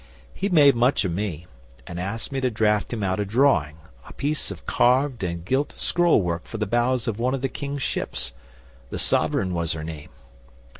He made much o' me, and asked me to draft him out a drawing, a piece of carved and gilt scroll work for the bows of one of the King's Ships the SOVEREIGN was her name.